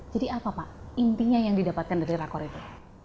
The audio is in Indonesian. jadi apa pak intinya yang didapatkan dari rakor itu